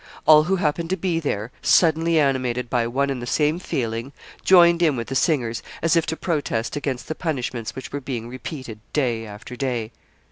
All who happened to be there, suddenly animated by one and the same feeling, joined in with the singers, as if to protest against the punishments which were being repeated day after day.